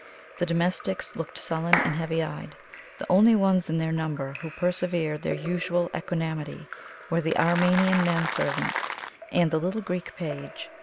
The domestics looked sullen and heavy eyed; the only ones in their number who preserved their usual equanimity were the Armenian men servants and the little Greek page.